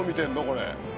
これ。